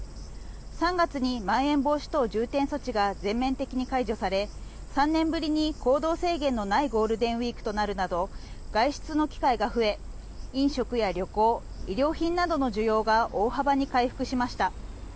３月にまん延防止等重点措置が全面的に解除され３年ぶりに行動制限のないゴールデンウィークとなるなど外出の機会が増え飲食や旅行、衣料品などの需要が大幅に回復しました。